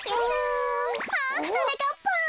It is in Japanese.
あっはなかっぱん。